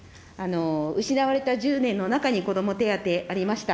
失われた１０年の中に子ども手当ありました。